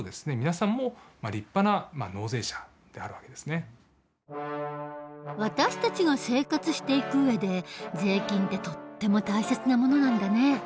中高生の皆さんは私たちが生活していく上で税金ってとっても大切なものなんだね。